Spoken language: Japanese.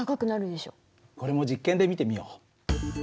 これも実験で見てみよう。